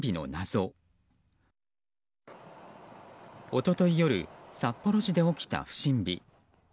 一昨日夜札幌市で起きた不審火。